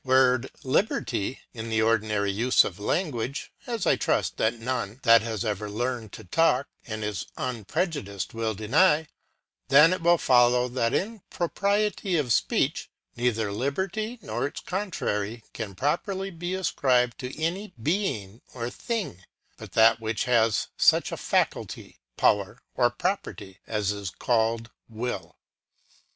word liberty, in the ordinary use of language, as I trust that none that has ever learned to talk, and is unprejudiced, will deny ; then it will follow, that in propriety of speech, neither liberty, nor its contrary, can properly be ascribed to any being or thing, but that which has such a faculty, power, or property, as is called will.